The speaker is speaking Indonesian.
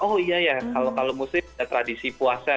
oh iya ya kalau muslim ada tradisi puasa